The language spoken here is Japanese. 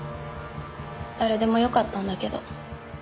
誰でもよかったんだけど。